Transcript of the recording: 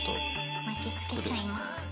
巻きつけちゃいます。